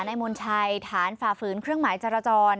มณชัยฐานฝ่าฝืนเครื่องหมายจราจร